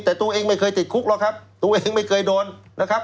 แต่ตัวเองไม่เคยติดคุกหรอกครับตัวเองไม่เคยโดนนะครับ